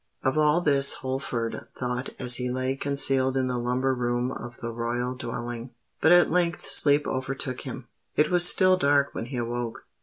Of all this Holford thought as he lay concealed in the lumber room of the royal dwelling. But at length sleep overtook him. It was still dark when he awoke.